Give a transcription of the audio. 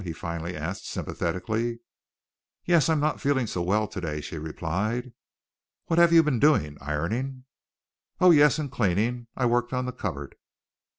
he finally asked sympathetically. "Yes, I'm not feeling so well today," she replied. "What have you been doing, ironing?" "Oh, yes, and cleaning. I worked on the cupboard."